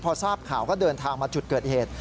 พอทราบข่าวก็เดินทางมาจุดเกิดเหตุ